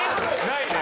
ないね。